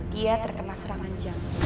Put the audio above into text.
dia terkena serangan jam